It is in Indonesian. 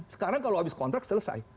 sekarang kalau habis kontrak selesai